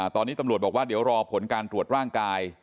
ตอนนี้ตำรวจบอกว่าเดี๋ยวรอผลการตรวจร่างกาย